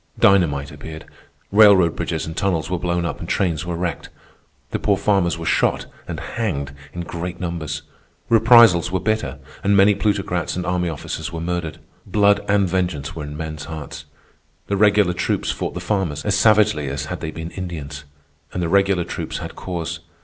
Dynamite appeared. Railroad bridges and tunnels were blown up and trains were wrecked. The poor farmers were shot and hanged in great numbers. Reprisals were bitter, and many plutocrats and army officers were murdered. Blood and vengeance were in men's hearts. The regular troops fought the farmers as savagely as had they been Indians. And the regular troops had cause.